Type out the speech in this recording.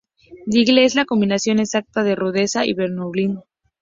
Diggle es la combinación exacta de rudeza y vulnerabilidad.